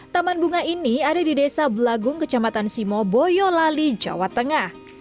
taman bunga ini ada di desa belagung kecamatan simo boyolali jawa tengah